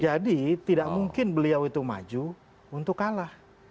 jadi tidak mungkin beliau itu maju untuk kalah